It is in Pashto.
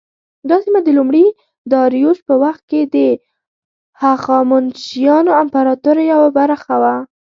دا سیمه د لومړي داریوش په وخت کې د هخامنشیانو امپراطورۍ یوه برخه وه.